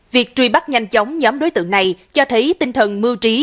việc truy bắt nhanh chóng nhóm đối tượng này cho thấy tinh thần mưu trí